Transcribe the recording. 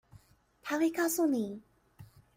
她會告訴你